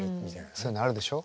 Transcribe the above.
そういうのあるでしょ？